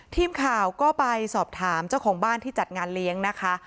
ทีมข่าวก็ไปสอบถามเจ้าของบ้านที่จัดงานเลี้ยงนะคะ